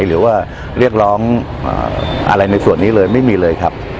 หรือว่าเรียกร้องอะไรในส่วนนี้เลยไม่มีเลยครับ